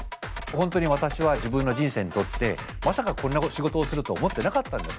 本当に私は自分の人生にとってまさかこんな仕事をすると思ってなかったんですね。